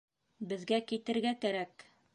Беҙгә китергә кәрәк!